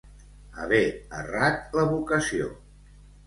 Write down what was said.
Haver errat la vocació.